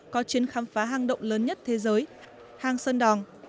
có chuyến khám phá hang động lớn nhất thế giới hang sơn đòn